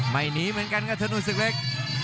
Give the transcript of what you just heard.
ไม่หนีเหมือนกันกับธนูสึกเล็ก